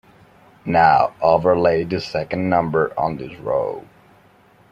Now overlay the second number on this row.